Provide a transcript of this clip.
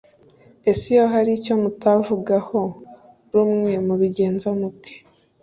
ese iyo hari icyo mutavugaho rumwe mubigenza mute